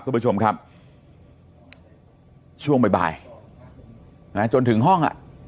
คุณผู้ชมครับช่วงบ่ายนะจนถึงห้องอ่ะ